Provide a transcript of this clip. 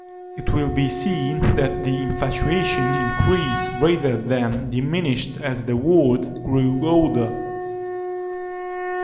It will be seen that the infatuation increased rather than diminished as the world grew older.